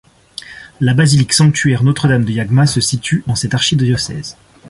La Basilique-Sanctuaire Notre-Dame de Yagma se situe dans cet archidiocèse.